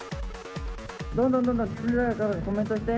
どんどんどんどんコメントして。